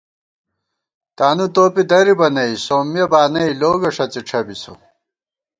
تانُو توپی درِبہ نئ سومِیہ بانَئ لوگہ ݭَڅی ڄھبِسہ